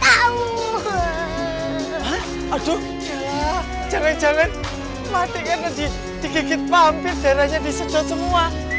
tahu woo aduk jalan jalan mata kan neil digigit pampir darahnya disedot semua